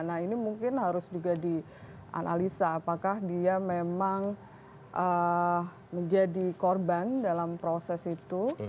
nah ini mungkin harus juga dianalisa apakah dia memang menjadi korban dalam proses itu